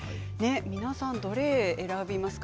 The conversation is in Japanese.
皆さん、どれを選びますか？